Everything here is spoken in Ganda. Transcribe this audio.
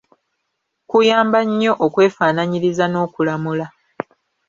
Kuyamba nnyo okwefaanaanyiriza n'okulamula.